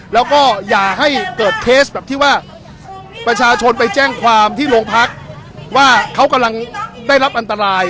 แล้วก็อย่าให้เกิดเคสแบบที่ว่าประชาชนไปแจ้งความที่โรงพักว่าเขากำลังได้รับอันตราย